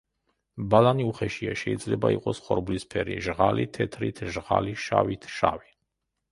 ბალანი უხეშია, შეიძლება იყოს ხორბლისფერი, ჟღალი თეთრით, ჟღალი შავით, შავი.